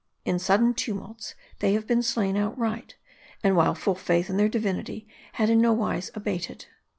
In sudden tumults they have been slain outright, and while full faith in their divinity had in no wise abated.